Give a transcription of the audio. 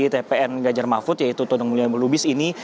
tpn ganjar mahfud yaitu tondong mulia mulu bis ini